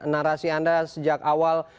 narasi anda sejak awal